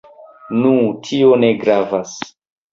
Nu, tio ne gravas.